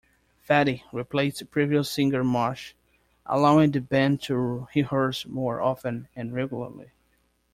Fedi, replaced previous singer Mosh, allowing the band to rehearse more often and regularly.